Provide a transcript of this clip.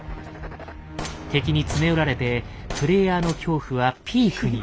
敵に詰め寄られてプレイヤーの恐怖はピークに。